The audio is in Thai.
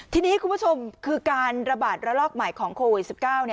ทีนี้คุณผู้ชมคือการระบาดระลอกใหม่ของโควิด๑๙